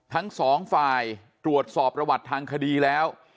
ทั้งสองฝ่ายตรวจสอบประวัติทางคดีแล้ว